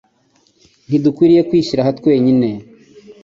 Ntidukwiriye kwishyira aha twenyine.